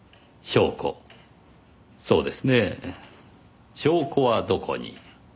証拠そうですねぇ「証拠はどこに」。